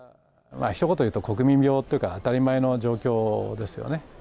ひと言で言うと、国民病っていうか、当たり前の状況ですよね。